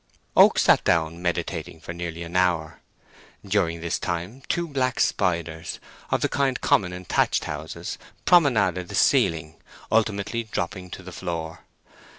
Oak sat down meditating for nearly an hour. During this time two black spiders, of the kind common in thatched houses, promenaded the ceiling, ultimately dropping to the floor.